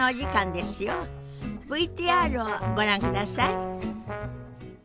ＶＴＲをご覧ください。